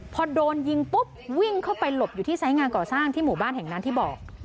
พอโดนยิงปุ๊บวิ่งเข้าไปหลบอยู่ที่ไซส์งานก่อสร้างที่หมู่บ้านแห่งนั้นที่บอก